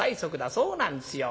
そうなんですよ。